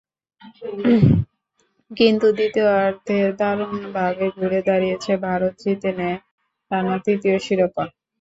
কিন্তু দ্বিতীয়ার্ধে দারুণভাবে ঘুরে দাঁড়িয়ে ভারত জিতে নেয় টানা তৃতীয় শিরোপা।